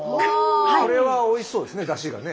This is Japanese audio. これはおいしそうですねだしがね。